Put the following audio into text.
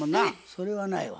それはないわ。